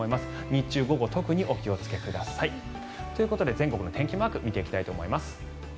日中午後特にお気をつけください。ということで全国の天気マークを見ていきます。